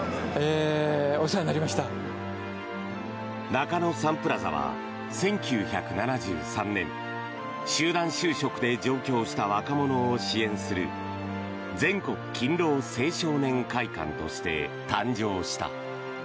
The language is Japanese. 中野サンプラザは１９７３年集団就職で上京した若者を支援する全国勤労青少年会館として誕生した。